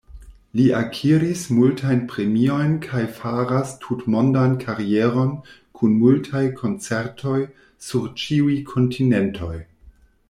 Li akiris multajn premiojn kaj faras tutmondan karieron kun multaj koncertoj sur ĉiuj kontinentoj.